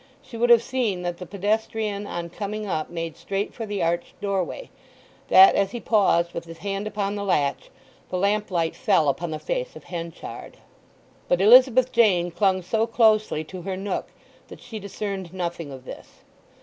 She would have seen that the pedestrian on coming up made straight for the arched doorway: that as he paused with his hand upon the latch the lamplight fell upon the face of Henchard. But Elizabeth Jane clung so closely to her nook that she discerned nothing of this.